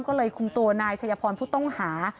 ก็เลยคุมตัวนายชัยพรผู้ต้องหา